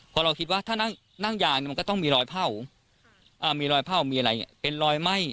พอเราคิดว่าถ้านั่งยางมันก็ต้องมีรอยเผ่ามีรอยเผ่ามีอะไรเป็นรอยไหม้